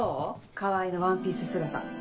川合のワンピース姿。